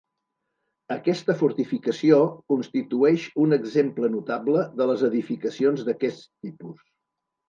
Aquesta fortificació constitueix un exemple notable de les edificacions d'aquest tipus.